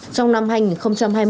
trong năm hành hai mươi một